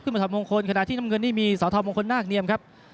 มาถอดมงคลขณะที่น้ำเงินนี่มีสทมงคลนาคเนียมครับ